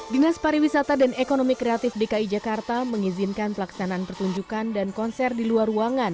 dinas pariwisata dan ekonomi kreatif dki jakarta mengizinkan pelaksanaan pertunjukan dan konser di luar ruangan